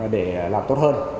để làm tốt hơn